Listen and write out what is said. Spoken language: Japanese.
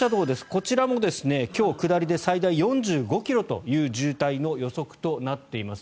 こちらも今日、下りで最大４５ｋｍという渋滞の予測となっています。